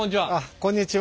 こんにちは。